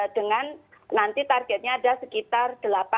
dengan nanti targetnya ada sekitar